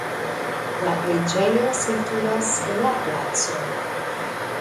La preĝejo situas la placo.